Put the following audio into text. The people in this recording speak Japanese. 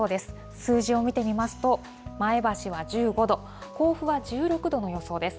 数字を見てみますと、前橋は１５度、甲府は１６度の予想です。